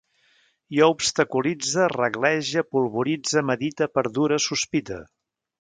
Jo obstaculitze, reglege, polvoritze, medite, perdure, sospite